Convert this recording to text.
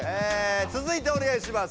続いておねがいします。